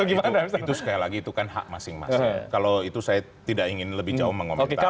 gimana itu sekali lagi itu kan hak masing masing kalau itu saya tidak ingin lebih jauh mengomentari